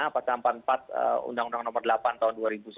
pasang empat empat uu no delapan tahun dua ribu sepuluh